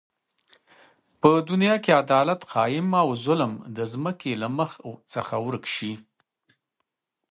په دنیا کی عدالت قایم او ظلم د ځمکی له مخ څخه ورک سی